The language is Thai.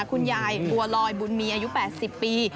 คุณยายบัวลอยบุญมีอายุ๘๐ปี